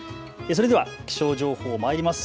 それでは気象情報まいります。